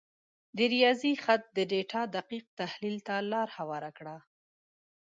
د ریاضي خط د ډیټا دقیق تحلیل ته لار هواره کړه.